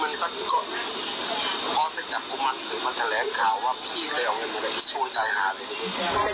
มันแสดงแสดงข่าวว่าพี่เคยเอาแบบนี้มันไม่ช่วยใจหาได้ดี